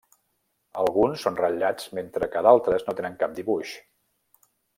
Alguns són ratllats mentre que d'altres no tenen cap dibuix.